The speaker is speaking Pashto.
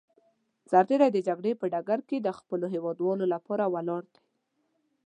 سرتېری د جګړې په ډګر کې د خپلو هېوادوالو لپاره ولاړ دی.